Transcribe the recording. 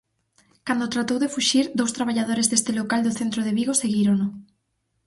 Cando tratou de fuxir, dous traballadores deste local do centro de Vigo seguírono.